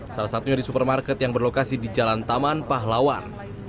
salah satunya di supermarket yang berlokasi di jalan taman pahlawan